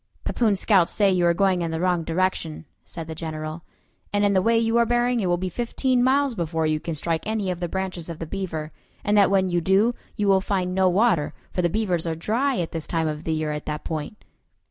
"Pepoon's scouts say you are going in the wrong direction," said the General; "and in the way you are bearing it will be fifteen miles before you can strike any of the branches of the Beaver; and that when you do, you will find no water, for the Beavers are dry at this time of the year at that point."